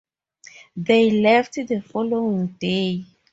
They left the following day.